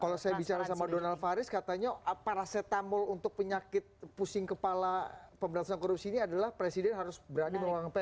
kalau saya bicara sama donald faris katanya parasetamol untuk penyakit pusing kepala pemberantasan korupsi ini adalah presiden harus berani mengeluarkan pr